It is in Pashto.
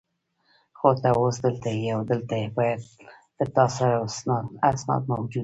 خو ته اوس دلته یې او دلته باید له تا سره اسناد موجود وي.